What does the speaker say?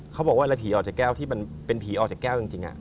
เขาบอกว่าแล้วผีออกจากแก้วที่มันเป็นผีออกจากแก้วจริง